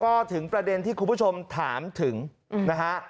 ก็ถึงประเด็นที่คุณผู้ชมถามถึงนะฮะ